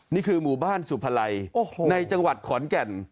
นี่คือหมู่บ้านสุพลัยในจังหวัดขอนแก่น